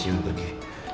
tolong aku pergi